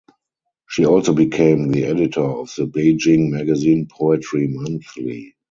She also became the editor of the Beijing magazine "Poetry Monthly".